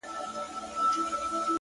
پايزېب به دركړمه د سترگو توره ـ